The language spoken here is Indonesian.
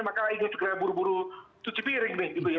maka ingin segera buru buru cuci piring gitu ya